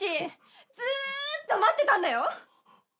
ずーっと待ってたんだよ！？